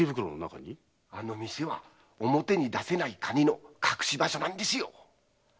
あの店は表に出せない金の隠し場所なんですよ！